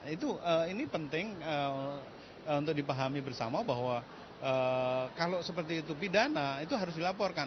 itu ini penting untuk dipahami bersama bahwa kalau seperti itu pidana itu harus dilaporkan